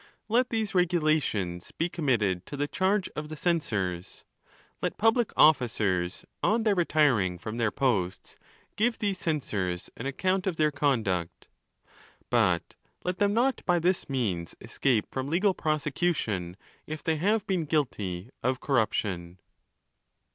Let these regulations be committed to the charge of the censors. Let public officers, on their retir ing from their posts, give these censors an account.of their conduct, but let them not by this means escape from legal prosecution if they have been guilty of corruption."